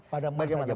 pada masalah pertama